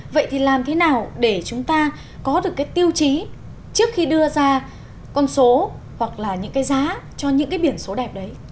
vậy thì làm thế nào để chúng ta có được cái tiêu chí trước khi đưa ra con số hoặc là những cái giá cho những cái biển số đẹp đấy